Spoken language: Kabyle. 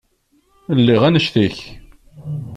Lliɣ annect-ik.